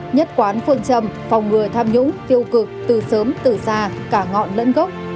nhất quán phương châm phòng ngừa tham nhũng tiêu cực từ sớm từ xa cả ngọn lẫn gốc